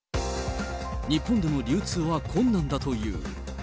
日本での流通は困難だという。